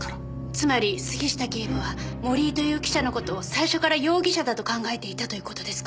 つまり杉下警部は森井という記者の事を最初から容疑者だと考えていたという事ですか？